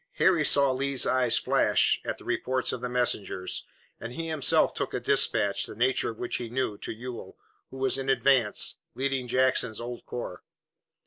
Harry saw Lee's eyes flash at the reports of the messengers, and he himself took a dispatch, the nature of which he knew, to Ewell, who was in advance, leading Jackson's old corps.